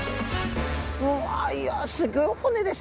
わいやすギョい骨ですね。